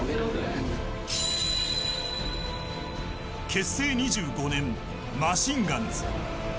結成２５年、マシンガンズ。